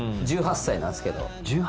１８歳なんすけど。